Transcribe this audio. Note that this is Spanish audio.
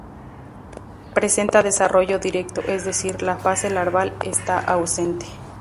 Presenta desarrollo directo, es decir, la fase larval está ausente.